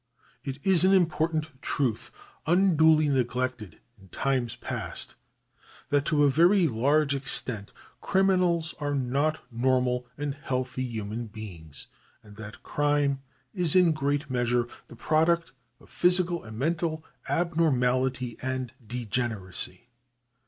It is an important truth, unduly neglected in times past, that to a very large extent criminals are not normal and healthy human beings, and that crime is in great measure the product of physical and mental abnormality and degeneracy.